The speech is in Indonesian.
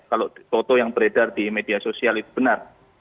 kalau foto yang beredar di media sosial itu benar